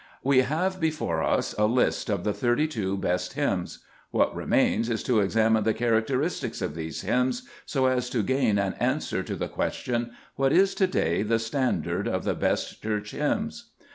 We have before us a list of the thirty two best hymns. What remains is to examine the characteristics of these hymns, so as to gain an answer to the question, What is to : day the standard of the best Church hymns?